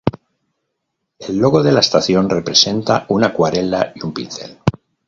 El logo de la estación representa una acuarela y un pincel.